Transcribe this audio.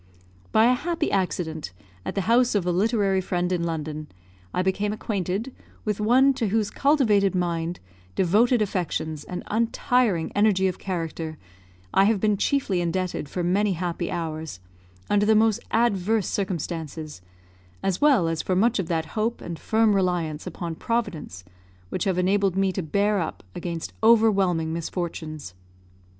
By a happy accident, at the house of a literary friend in London, I became acquainted with one to whose cultivated mind, devoted affections, and untiring energy of character, I have been chiefly indebted for many happy hours, under the most adverse circumstances, as well as for much of that hope and firm reliance upon Providence which have enabled me to bear up against overwhelming misfortunes.